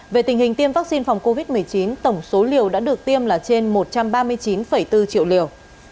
về tình hình tiêm vaccine phòng covid một mươi chín tổng số liều đã được tiêm là trên một trăm ba mươi chín bốn triệu liều